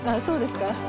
そうですか？